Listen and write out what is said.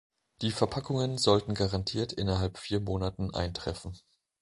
Die Verpackungen sollten garantiert innerhalb vier Monaten eintreffen.